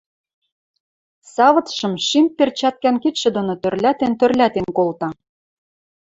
Савыцшым шим перчӓткӓн кидшӹ доно тӧрлӓлтен-тӧрлӓлтен колта.